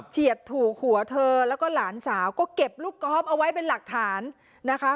ถูกหัวเธอแล้วก็หลานสาวก็เก็บลูกกอล์ฟเอาไว้เป็นหลักฐานนะคะ